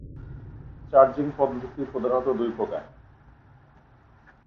Charging পদ্ধতি প্রধাণত দুই প্রকার।